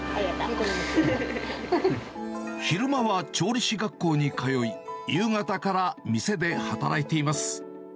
昼間は調理師学校に通い、夕方から店で働いています。